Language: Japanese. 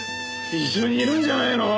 一緒にいるんじゃないの？